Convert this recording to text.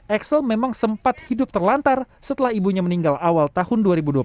axel memang sempat hidup terlantar setelah ibunya meninggal awal tahun dua ribu dua puluh